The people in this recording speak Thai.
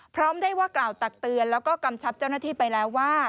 พร้อมได้ว่ากล่าวตักเตือนแล้วก็กำชับเจ้าหน้าที่ไปแล้วว่า